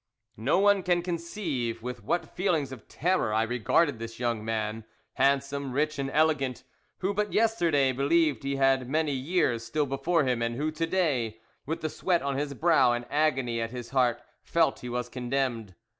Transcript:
No one can conceive with what feelings of terror I regarded this young man, handsome, rich, and elegant, who but yesterday believed he had many years still before him, and who to day, with the sweat on his brow and agony at his heart, felt he was condemned.